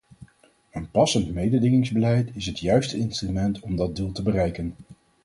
Een passend mededingingsbeleid is het juiste instrument om dat doel te bereiken.